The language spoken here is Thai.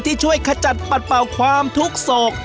ที่ช่วยขจัดปัดเป่าความทุกข์โศก